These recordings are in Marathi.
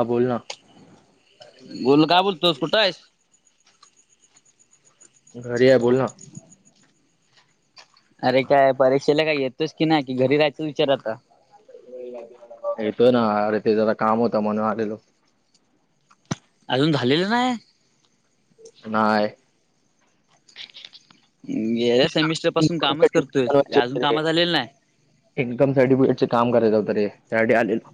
हा बोल ना बोल काय बोलतोस? कुठं आहेस? घरी आहे बोल ना. अरे काय परीक्षेला काय येतोस की नाही की घरी राहायचा विचार आता? येतोय ना आरे ते जरा काम होत म्हणून आलेलो. आजून झालेलं नाही? नाय गेल्या सेमिस्टर पासून कामच सर्टिफिकेट करतोय बनवायचे अजून होते रे काम झालेलं नाय. इन्कम सर्टिफिकेटचे काम करायच होत रे त्यासाठी आलेलो.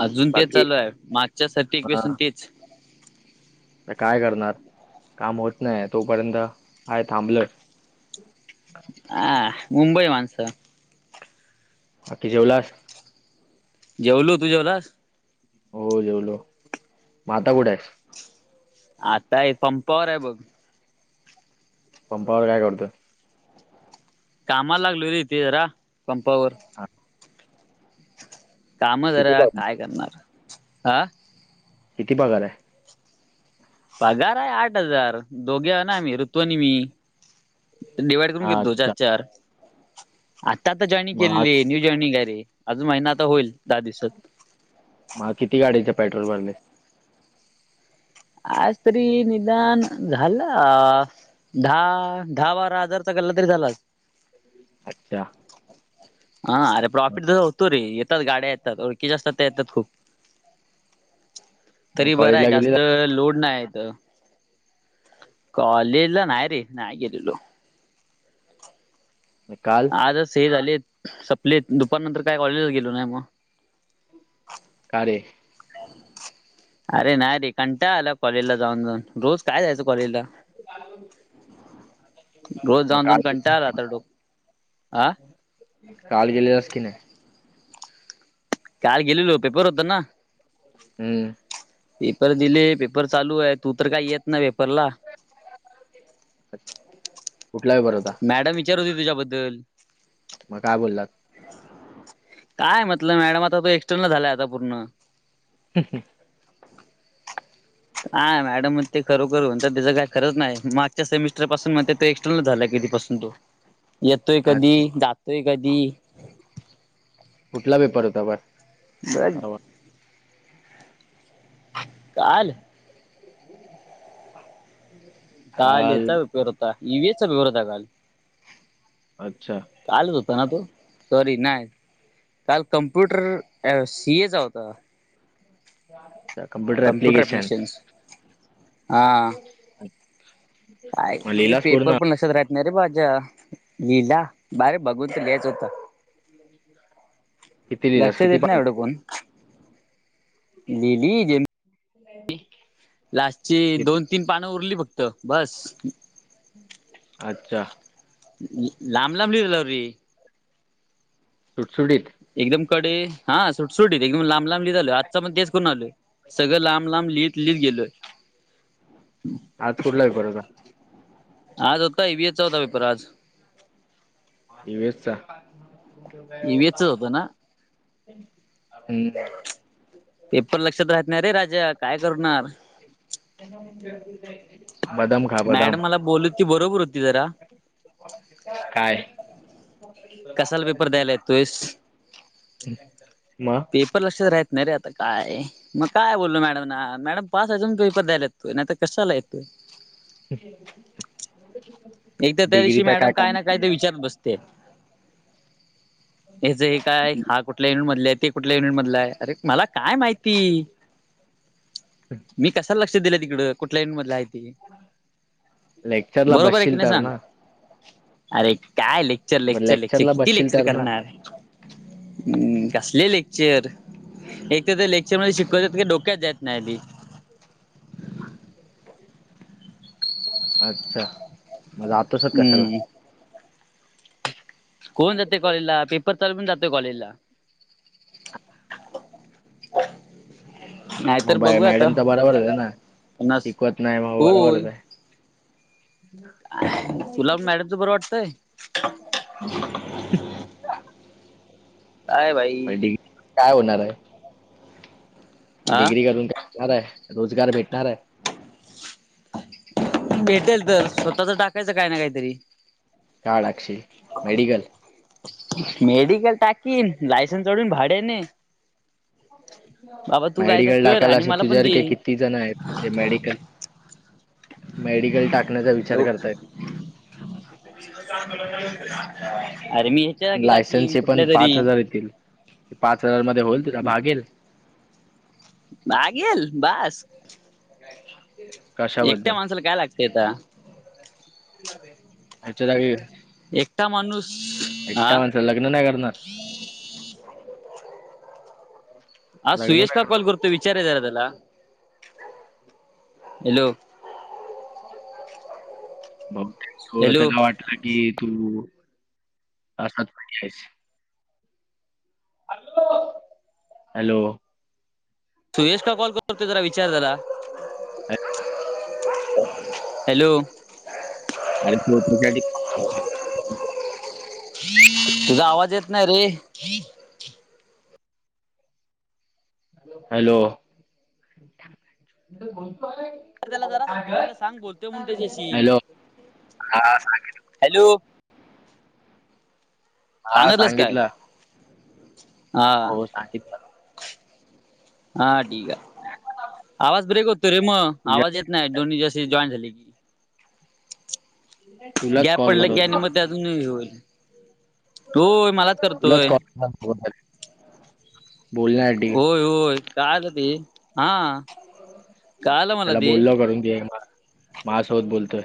आजून तेच बाकी चालू आहे मागच्या सटेकपसून तेच आता काय करणार काम होत नाहीये तोपर्यंत हाय थांबलं. आ मुबई माणस बाकी जेवलास? जेवलो, तू जेवलास? हो जेवलो म आता कुठ आहेस? आता ये पंपावर आहे बघ. पंपावर काय करतो? कामाला लागलो रे इथे जरा पंपावर. हा. काम किती जरा पगार काय करणार आ किती पगार आहे? पगार आहे आठ हजार दोघे हना आम्ही रु तू आणि मी डिवाइड करून हा, घेतो चार अच्छा चार. आता आता जॉईनी मग आज केलेली आहे न्यू जॉइनिंग आहे रे आजून महिना आता होईल दहा दिवसात. म किती गाडीचे पेट्रोल भरले? आज तरी निदान झालं अ दहा दहा बारा हजारचा गल्ला तरी झाला आज. आच्छा आ आरे प्रॉफिट तसा होतो रे येतात गाड्या येतात ओळ त येतात खूप मग तरी बर आहे कॉलेजला जास्त गेलेला लोड नाहीत कॉलेजला नाही रे नाही गेलेलो. काल आजच हे झालेत सपले दुपार नंतर काय कॉलेजला गेलो नाही मग. कारे? अरे नाही रे कंटाळा आला कॉलेजला जाऊन, जाऊन रोज काय जायचं कॉलेजला. रोज मग जाऊन, जाऊन काल कंटाळा आला तर डोक हा काल गेलेलास की नाही? काल गेलेलो पपर होतेना. हम्म. पेपर दिले पेपर चालू आहे तू तर काही येत नाही पेपरला कुठला पेपर होता? मॅडम विचारत होती तुझ्याबद्दल मग काय बोललात? काय म्हटलं मॅडम आता तो एक्सटर्नल झालाय आता पूर्ण. हम्म, हम्म. हा मॅडम मग ते करु करू त्याचं काही खरंच नाही मागच्या सेमिस्टर पासून म्हणतात तो झाला कधीपसून तो येतोय अच्छा. कधी, जातोय कधी, कुठला पेपर होता बर? ब परवा? [inaudible] काल काल याचा पेपार होता ई व्ही एस चा पेपार होता काल. अच्छा. कालच होत ना तो सॉरी नाही काल कमप्युटर अ सीए चा होता. अ कमप्युटर कम्प्युटर एप्लिकेशन. ऍप्लिकेशन्स हा.. अच् [inaudible] काय ते पेपर पण आशेच राह नरे माझ्या लिहीला आरे बघून तर लिहायचा होत. किती लिहिलास? लक्ष किती देत नाही पान? एवढं कोण. डीडी ज [inaudible] ह [inaudible] लास्टची दोन, तीन पान उरली फक्त बस अच्छा. लांब लाब लिहिलबी सुट सुटीत. एकदम कडे हा सुट सुटी एकदम लांब लांब लिहिल आ तेच करून आलोय सगळं लांब लांब लिह लिहत गेलोय. आज कुठला पेपर होता? आज होता ई व्ही एस चा पेपर होता आज. ई व्ही एस चा ईव्हीएसचाच होता ना हम्म. पेपर लक्षात राहत नाही रे राजा काय करणार त्यां [inaudible] बदम खा मॅडम मला बोली, ती बरोबर होती जरा काय? कशाला पेपर द्यायला येतोयस? म? पेपर लक्षात राहत नाही रे आता काय, मग काय बोललो मॅडम ना, मॅडम पाच अजून पेपर द्यायलेत, नाही तर कशाला येतोय? [inaudible] एक तर त्या दिवशी डिग्रीचा मॅडम काय काम? ना काय ते विच चात बसते, याचे हे काय? हा कुठल्या युनिट मधल्या ये ते. कुठल्या युनिट मधला? अरे मला काय माहिती, मी कशाला लक्ष [unintelligible] दिले तिकड कुटल्याही युनिट मधला हाय. लेक्चर ला बरोबर आहे बसशील. की तर सांग, ना. अरे काय आपण लेक्चर-लेक्चर-लेक्चर लेक्चरला किती बसशील लेक्चर तर ना. करणार? हम्म कसले लेक्चर? एक तर ते लेक्चर मध्ये शिकवात डोक्यात जात नाई बी. अच्छा, मग जातोसच कशाला? हम्म कोण जातय कॉलेजला? पेपर तरी पण जातोय, कॉलेजला. नायतर मग बघू आता, मॅडमचा बरोबर होता ना? नस शिकवत नाही मग होय. बरोबरच आहे. [inaudible] तुज बर वाटतय? काय भाई? डीग, काय होणार आहे? हा डिग्री करून काय होणार आहे? रोजगार भेटणार आहे? भेटेल तर, स्वतःच टाकायचं काय ना काहीतरी. काय टाकशील, मेडिकल? मेडिकल टाकीन लायसन सोडीन भाड्याने. बाबा तू काय तर मेडिकल कर टाकायला, आणि अशे मला पण दे तुझ्यासारखे किती जण येत जे मेडिकल मेडिकल टाकण्याचा विचार करताय. अरे मी ह्याच्या अन, जागी टाकीन लायसनचे पण कुठल्या तरी पाच हजार येतील. त्या पाच हजार मध्ये होईल तुझ, भागेल? भागेल, बास. [unintelligible] एकट्या माणसाला काय लागते, आता? याच्याजागी का? एकटा माणूस हा एकटा माणसंचं लग्न नाही करणार? हा लग्न सुयश नाही का करणार कॉल करतोय, विचार रे जरा त्याला? हॅलो? ब, हो हॅलो त्याला वाट ना की तू असच [unintelligible] [unintelligible] हॅलो? सुयश का कॉल करतो? ते जरा विचार त्याला. हॅलो?? अरे [unintelligible] तुझा आवाज येत नाही रे. हॅलो? अगं त्याला जरा सुजयला सांग बोलतोय म्हणून त्याच्याशी हॅलो हा सांगितलं. हॅलो. हा सांगितलंस काय सांगितलं. हा हो सांगित हा ठीक आहे आवाज ब्रेक होतो रे मग तुझ्या आवाज येत नाही दोन्ही जशी जॉईन झाले की. तुलाच गॅप कॉल पडलं की करत आणि होता. म त्यातून हे होईल होय मलाच करतोय. मग तो दाई. होय होय काय आता ते हा. कळालं मला त्याला ते बोललो करून घे म माज्यासोबत बोलतोय.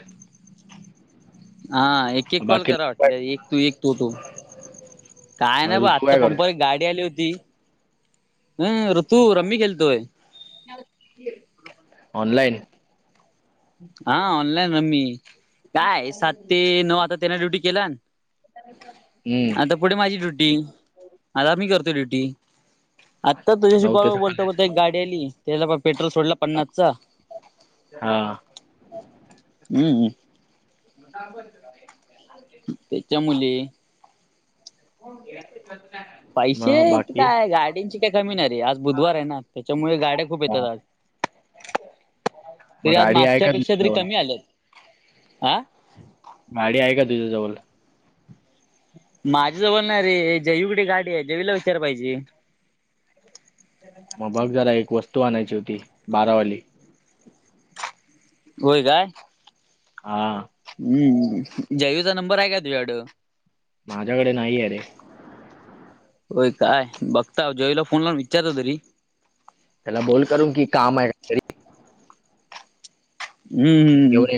हा एक एक कॉल बाकी करा ऋतू काय वाटल्या एक तू एक तो तो. काय मग नाही ब ऋतू आत्ता काय पंपा करतोय? एक गाडी आली होती हम रू तू रम्मी खेळतोय. ऑनलाईन. हा ऑनलाईन रम्मी कायये सात ते नऊ आता त्यांना ड्युटी केलान. हम्म. पुढे माझी ड्युटी आता मी करतोय ड्युटी. आत्ता तुझ्याशी नऊ ते बोलता सकाळी. बोलता एक गाडी आली त्याला प पेट्रोल सोडला पन्नासचा. हा. हम्म हम्म. मोठा आंब [unintelligible] त्याच्या मुले. हे असं कत नाय पैसे काय गाड्यांंची काय कमी नाही रे आज बुधवार आहे ना त्याच्यामुळे गाड्या खूप येतात आज. [inaudible] तरी मग आज गाडी आहे मागच्या का पेक्षा तुझ्या तरी जवळ? कमी आलेत आ. गाडी आहे का तुझ्याजवल? माझ्या जवळ नाही रे जयू कडे गाडी आहे जयूला विचाराय पाहिजे. मग बघ जरा एक वस्तू आणायची होती बारावाली. होय काय? हा. हम्म जयूचा नंबर आहे काय तुझ्याकड? माझ्याकडे नाहीये रे. होय काय बघताव जयूला फोन लावून विचारतो तरी. त्याला बोल करून की काम आहे काहितरी. का? हम्म घेऊन ये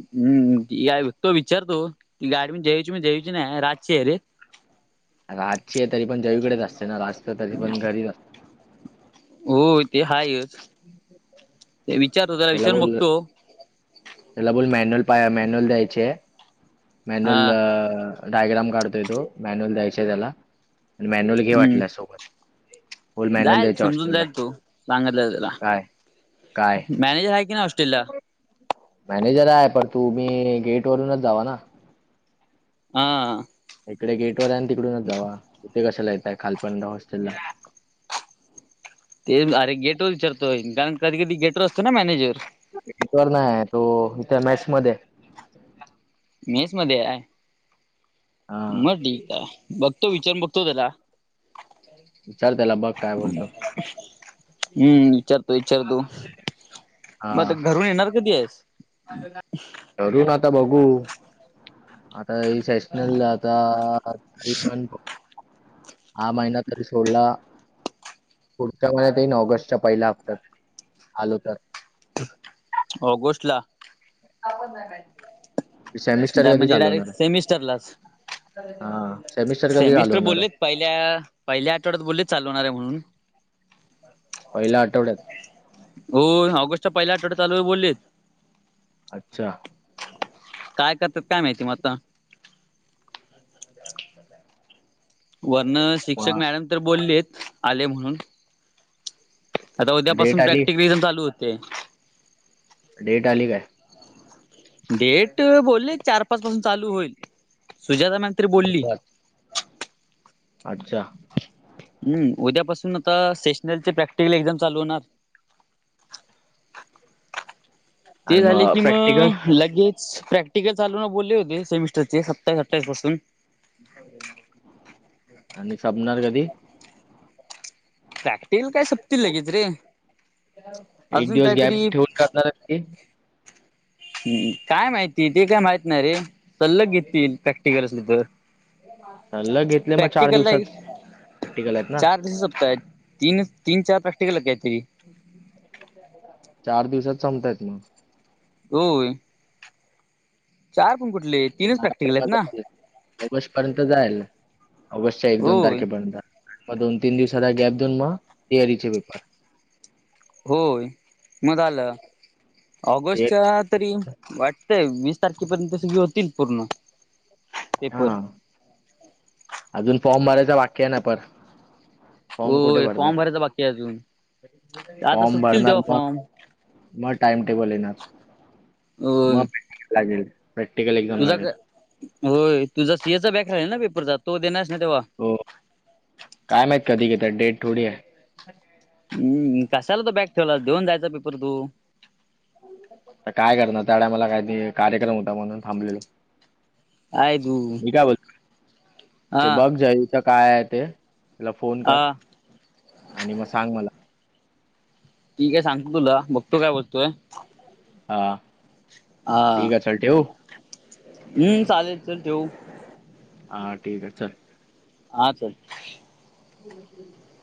हम्म टिकत बघतो विचारतो. ती गाडी मग जयूची म्हणजे जयूची नाही राजची आहे रे. राजची आहे तरी पण जयूकडेच असते ना राज तर तरी पण घरीच असतो. हो ते हायच नाई विचारतो त्याला विचारून बघतो. त्याला बोल मॅन्युअल पा मॅन्युअल द्यायचीय हा मॅन्युअल अ डायग्राम काढतोय तो मॅन्युअल द्यायचा आहे त्याला आणि मॅन्युअल घे हम्म वाटल्यास सोबत. बोल मॅन्युअल जाईल द्यायचे समजून हॉस्टेलला जाईल तो सांगतल्यावर त्याला काय काय मॅनेजर आहे की नाय आ मॅनेजर आहे पर तु मी गेट वरूनच जावा ना. हां. इकडे गेट वर आहे आणि तिकडूनच जावा तिथे कशाला येताय खालपणड हॉस्टेलला. ते अरे गेट वर विचारतोय कारण कधी कधी गेट वर असतो ना मॅनेजर. पीटर नाही तो, इथ मॅच मध्ये मेस मध्ये हाय. हा म ठीक हाय, बघतो विचारून बघतो त्याला चल, त्याला बघ काय बोलतो? हम्म विचारतो विचारतो, म आता घरून येणार कधी हायीस? करू, आता बघू. आता सेशनल आता तरी पण हा महिना तरी सोडला पुढच्या महिन्यात येईन, ऑगस्टच्या पहिल्या हप्त्यात आलो तर ऑगस्ट ला. सेमिस्टर ला कधी म्हणजे चालू होणार डायरेक्ट सेमिस्टरलाच हाय? हा. सेमिस्टर आहे? बोललेत पहिल्या, पहिल्या आठवड्यात बोललेत चालू होणार आहे म्हणून पहिल्या आठवड्यात होय, ऑगस्टच्या पहिला आठवड्यात चालू होईल बोललीत. अच्छा. काय करत्यात, काय माहिती म आता? म्हनजे अजून तसं हाय. वरन शिक्षक मॅडम तर बोललेत, आले म्हणून आता डेट उद्यापासून आली? प्रॅक्टिकल रिविजन चालू होते. डेट आली काय? डेट बोलले चार पाच पासून चालू होईल, सुजाता मॅम तरी बोलली. बरोबर. अच्छा. हूम् उद्यापासून आता सेशनल चे प्रॅक्टिकल एक्झाम चालू होणार. ते आणि झाले मग की, म प्रॅक्टिकल? लगेच प्रॅक्टिकल चालू होणार बोलले होते, सेमिस्टर चे सत्तावीस, अठाविस पासून आणि सपणार कधी? प्रॅक्टिकल काय सपतील लगेच रे, अजून कायतरी नरकी [unintelligible] हू हू काय माहिती? ते काय माहित नाही रे? सल्लग घेतील प्रॅक्टिकल असली तर ल घेतले मग चार प्रॅक्टिकलला दिवसात प्रॅक्टिकल आहेत ना? चार दिवस सपतय, तीन तीन चार प्रॅक्टिकल हायीत काय तरी? चार दिवसात संपतायेत मग. होय. चार पण कुठले? तीनच प्रॅक्टिकल आहेत ना ऑगस्ट पर्यंत झालं. ऑगस्टच्या एक दोन होय तारखेपर्यंत मग दोन तीन दिवसाचा गॅप देऊन, मग सीयारीचे पेपर होय मग झालं, ऑगस्टच्या तरी वाट तय, वीस तारखेपर्यंत सगळी होतील पूर्ण पेपर. आजून फॉर्म भरायचा बाकी आहे ना पणं फॉम कुठे होय भरलाय? फॉर्म भरायचा बाकी आहे अजून आता फॉम सुटतील भरणार तेव्हा मग. फॉर्म म टाइम टेबल येणार, म होय प्रॅकटिकल लागेल, प्रॅक्टिकल एक्झाम तुझा लागेल. होय, तुझा सीएचा बॅक राहिलाय ना पेपर, जा देणार हायेस ना तेव्हा. हो. काय माहीत कधी घेतात? डेट थोडी हाय. हम् कशाला तो बॅक ठेवला देऊन जायचा पेपर तू. आता काय करणार. टायमाला काय ते कार्यक्रम होता म्हणून थांबलेल. काय तू मी काय बोलतोय ते हा बघ ग आई. तीथ काय आहे ते तीला फोन कर हा आणि मग सांग मला. ठीक आहे सांगतो तुला बघतो काय वस्तू हे. हा हा ठीक हे चल ठेऊ. हम्म चालेल चल ठेवू. हा ठीके चल. हा चल. [unintelligible]